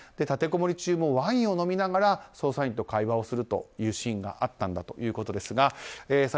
立てこもり中もワインを飲みながら捜査員と会話をするシーンがあったということですが。